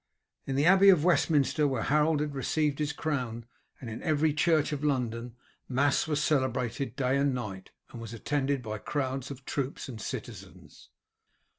In the Abbey of Westminster, where Harold had received his crown, and in every church of London, mass was celebrated day and night, and was attended by crowds of troops and citizens.